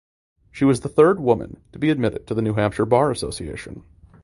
She was the third woman to be admitted to the New Hampshire Bar Association.